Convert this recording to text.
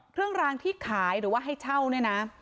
เครื่องรางที่ขายหรือว่าให้เช่าเนี่ยนะ